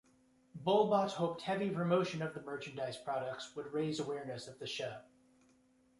Bohbot hoped heavy promotion of the merchandise products would raise awareness of the show.